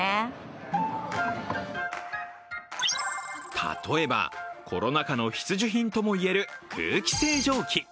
例えば、コロナ禍の必需品ともいえる、空気清浄機。